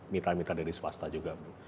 mitra mitra dari swasta juga bu